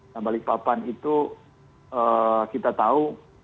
nah balikpapan itu kita tahu